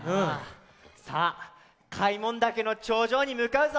さあ開聞岳のちょうじょうにむかうぞ！